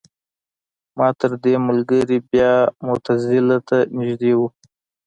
ماتریدي ملګري بیا معتزله ته نژدې وو.